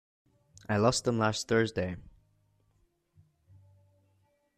I lost them last Thursday.